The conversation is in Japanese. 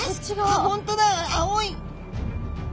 あっ本当だ青い。